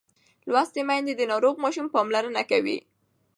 لوستې میندې د ناروغ ماشوم پاملرنه کوي.